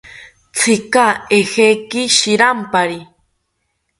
¿Tzika ejeki shirampari?